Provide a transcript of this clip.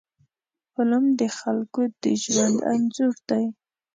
فلم د خلکو د ژوند انځور دی